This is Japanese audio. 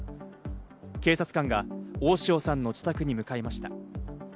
警察官が大塩さんの自宅に向かいました。